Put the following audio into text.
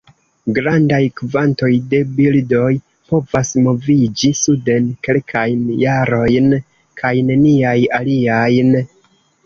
Grandaj kvantoj de birdoj povas moviĝi suden kelkajn jarojn; kaj neniaj aliajn.